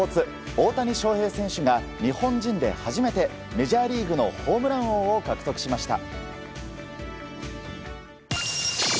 大谷翔平選手が日本人で初めてメジャーリーグのホームラン王を獲得しました。